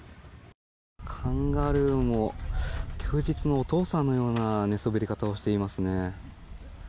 カンガルーも休日のお父さんのような寝そべり方をしていますね。